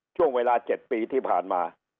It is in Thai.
ช่วงเวลา๗ปีที่ผ่านมา